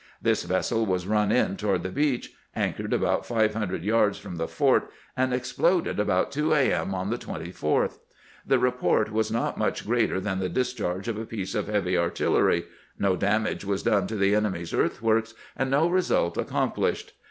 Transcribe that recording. This vessel was run in toward the beach, anchored about five hun dred yards from the fort, and exploded about 2 a. m. on 362 CAMPAIGNING WITH GEANT the 24th. The report was not much greater than the discharge of a piece of heavy artillery ; no damage was done to the enemy's earthworks, and no result accom plished.